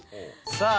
さあ